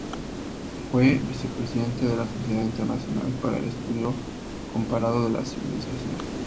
Fue vicepresidente de la Sociedad Internacional para el estudio comparado de las civilizaciones.